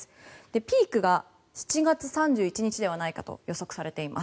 ピークが７月３１日ではないかと予測されています。